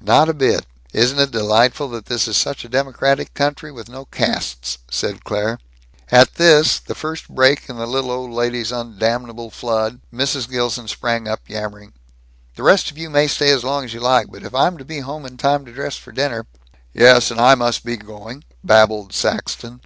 "Not a bit. Isn't it delightful that this is such a democratic country, with no castes," said Claire. At this, the first break in the little old lady's undammable flood, Mrs. Gilson sprang up, yammering, "The rest of you may stay as long as you like, but if I'm to be home in time to dress for dinner " "Yes, and I must be going," babbled Saxton.